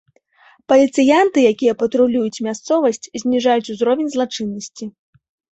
Паліцыянты, якія патрулююць мясцовасць, зніжаюць узровень злачыннасці.